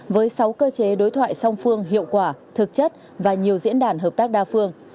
với sáu cơ chế đối thoại song phương hiệu quả thực chất và nhiều diễn đàn hợp tác đa phương